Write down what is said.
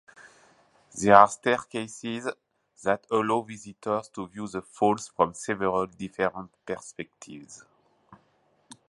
There are staircases that allow visitors to view the falls from several different perspectives.